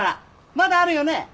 まだあるよねえ？